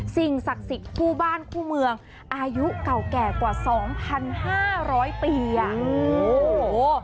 สิ่งศักดิ์สิทธิ์คู่บ้านคู่เมืองอายุเก่าแก่กว่าสองพันห้าร้อยปีอ่ะโอ้โห